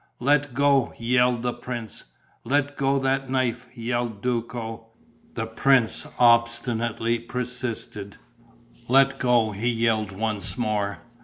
"Let go!" yelled the prince. "Let go that knife!" yelled Duco. The prince obstinately persisted: "Let go!" he yelled once more.